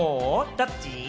どっち？